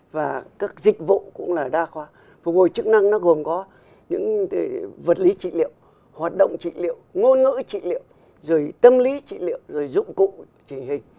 và các dịch vụ cũng là đa khoa phục hồi chức năng nó gồm có những vật lý trị liệu hoạt động trị liệu ngôn ngữ trị liệu rồi tâm lý trị liệu rồi dụng cụ trình hình